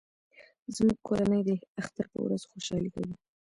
زموږ کورنۍ د اختر په ورځ خوشحالي کوي